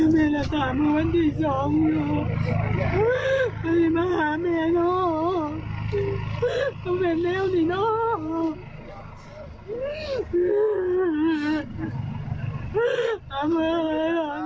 เมล่าตามมาวันที่สองมาหาเมล่าเนอะต้องเป็นเร็วสิเนอะ